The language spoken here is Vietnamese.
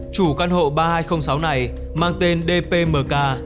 chủ căn hộ ba nghìn hai trăm linh sáu này mang tên dpmk